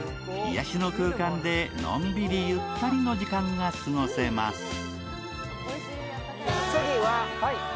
癒やしの空間でのんびりゆったりの時間が過ごせます。